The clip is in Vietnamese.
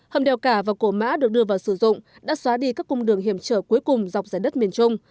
hầm đèo cả và cổ mã được đưa vào sử dụng đã xóa đi các cung đường hiểm trở cuối cùng dọc dài đất miền trung